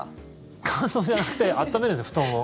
乾燥じゃなくて温めるんです、布団を。